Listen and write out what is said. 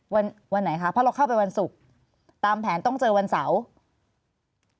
วันวันไหนคะเพราะเราเข้าไปวันศุกร์ตามแผนต้องเจอวันเสาร์